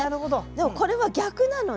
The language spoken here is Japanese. でもこれは逆なのね。